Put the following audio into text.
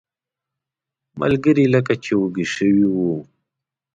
ملګري لکه چې وږي شوي وو.